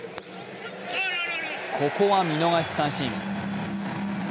ここは見逃し三振。